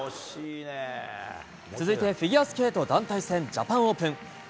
続いてフィギュアスケート団体戦ジャパンオープン。